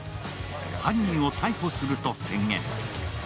犯人を逮捕すると宣言。